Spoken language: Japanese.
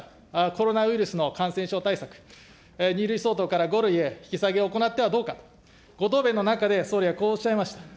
コロナウイルスの感染症対策、２類相当から５類へ引き下げを行ってはどうか、ご答弁の中で総理はこうおっしゃいました。